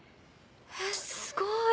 えっすごい！